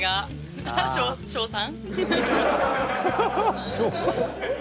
小３。